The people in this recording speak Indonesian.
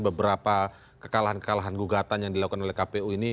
beberapa kekalahan kekalahan gugatan yang dilakukan oleh kpu ini